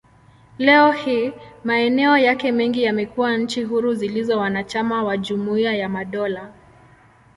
Leo hii, maeneo yake mengi yamekuwa nchi huru zilizo wanachama wa Jumuiya ya Madola.